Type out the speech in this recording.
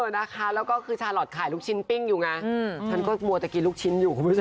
นะคะแล้วก็คือชาลอทขายลูกชิ้นปิ้งอยู่ไงฉันก็กลัวจะกินลูกชิ้นอยู่คุณผู้ชม